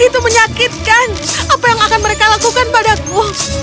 itu menyakitkan apa yang akan mereka lakukan padaku